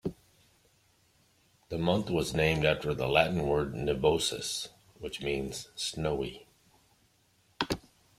The month was named after the Latin word "nivosus", which means "snowy".